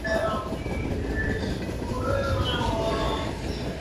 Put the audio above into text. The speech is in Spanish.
Fue enterrada en la iglesia de Acton.